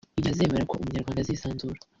igihe azemera ko umunyarwanda azisanzura